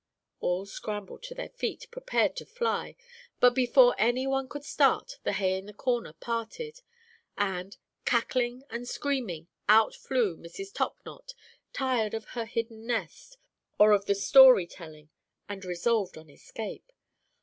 All scrambled to their feet prepared to fly, but before any one could start, the hay in the corner parted, and, cackling and screaming, out flew Mrs. Top knot, tired of her hidden nest, or of the story telling, and resolved on escape.